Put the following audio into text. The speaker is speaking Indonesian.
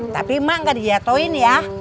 tapi ma gak di jatohin ya